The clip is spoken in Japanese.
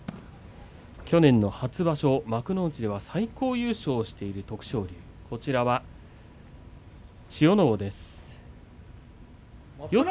去年の初場所、幕内では最高優勝をしている徳勝龍です。